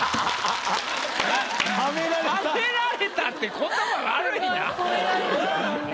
「ハメられた」って言葉悪いな。